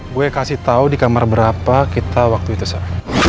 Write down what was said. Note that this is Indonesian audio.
gue kasih tau di kamar berapa kita waktu itu siapa